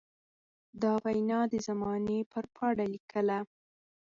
دا وينا د زمانې پر پاڼه ليکله.